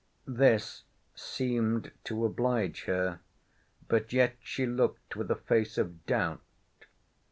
This seemed to oblige her. But yet she looked with a face of doubt.